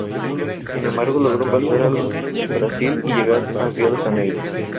Sin embargo, logró pasar al Brasil y llegar a Río de Janeiro.